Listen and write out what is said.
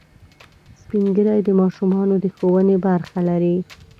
سپین ږیری د ماشومانو د ښوونې برخه لري